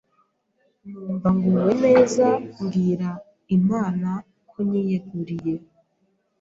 Numva nguwe neza mbwira Imana ko nyiyeguriye